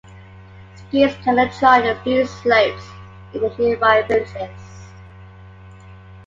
Skiers can enjoy a few slopes in the nearby villages.